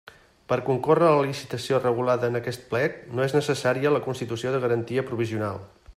Per concórrer a la licitació regulada en aquest plec, no és necessària la constitució de garantia provisional.